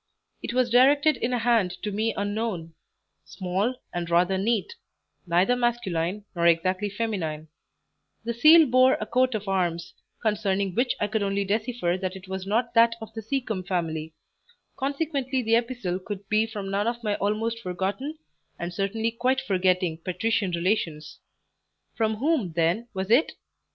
It was directed in a hand to me unknown small, and rather neat; neither masculine nor exactly feminine; the seal bore a coat of arms, concerning which I could only decipher that it was not that of the Seacombe family, consequently the epistle could be from none of my almost forgotten, and certainly quite forgetting patrician relations. From whom, then, was it?